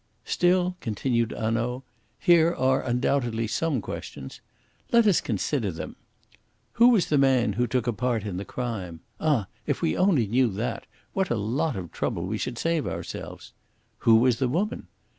"Still," continued Hanaud, "here are undoubtedly some questions. Let us consider them! Who was the man who took a part in the crime? Ah, if we only knew that, what a lot of trouble we should save ourselves! Who was the woman?